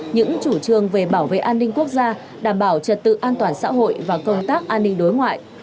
những chủ trương về bảo vệ an ninh quốc gia đảm bảo trật tự an toàn xã hội và công tác an ninh đối ngoại